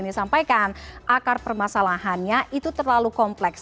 aku ingin sampaikan akar permasalahannya itu terlalu kompleks